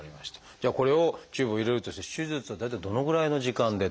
じゃあこれをチューブを入れるとして手術は大体どのぐらいの時間で。